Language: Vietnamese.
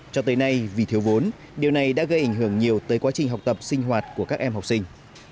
cho tới nay vì thiếu vốn điều này đã gây ảnh hưởng nhiều tới quá trình học tập sinh hoạt của các em học sinh